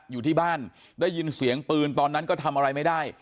อยู่ที่บ้านได้ยินเสียงปืนตอนนั้นก็ทำอะไรไม่ได้